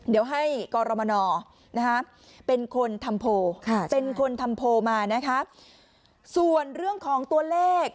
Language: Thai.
เดี๋ยวให้กรมนเป็นคนทำโพลเป็นคนทำโพลมานะคะส่วนเรื่องของตัวเลข